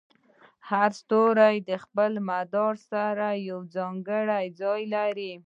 هر ستوری د خپل مدار سره یو ځانګړی ځای لري.